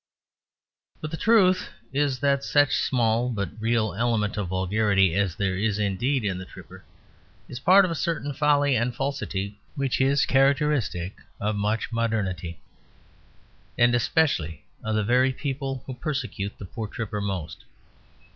But the truth is that such small, but real, element of vulgarity as there is indeed in the tripper, is part of a certain folly and falsity which is characteristic of much modernity, and especially of the very people who persecute the poor tripper most.